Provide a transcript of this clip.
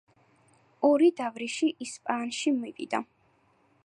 ორი დავრიში ისპაანში მივიდა.